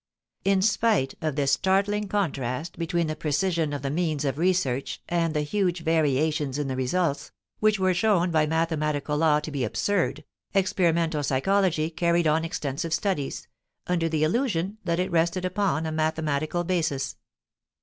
In spite of this startling contrast between the precision of the means of research and the huge variations in the results, which were shown by mathematical law to be absurd, experimental psychology carried on extensive studies, under the illusion that it rested upon a mathematical basis.